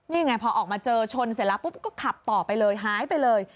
นี่ไงพอออกมาเจอชนเสร็จแล้วปุ๊บก็ขับต่อไปเลยหายไปเลย